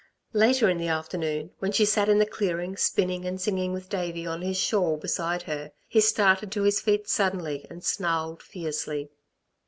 Later in the afternoon, when she sat in the clearing spinning and singing with Davey on his shawl beside her, he started to his feet suddenly and snarled fiercely.